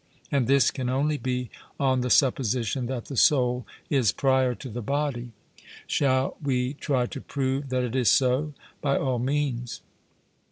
And this can only be on the supposition that the soul is prior to the body. Shall we try to prove that it is so? 'By all means.'